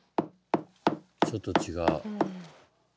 ちょっと違う。